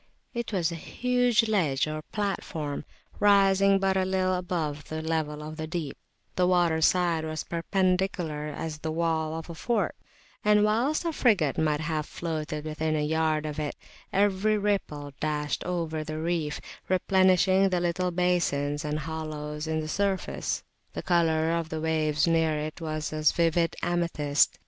It was a huge ledge or platform rising but little above the level of the deep; the water side was perpendicular as the wall of a fort; and, whilst a frigate might have floated within a yard of it, every ripple dashed over the reef, replenishing the little basins and hollows in the surface. The colour of the waves near it was a vivid amethyst.